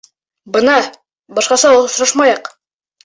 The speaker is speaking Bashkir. Бына: «Башҡаса осрашмайыҡ!»